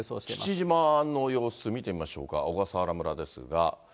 父島の様子見てみましょうか、小笠原村ですが。